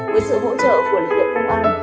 với sự hỗ trợ của lực lượng công an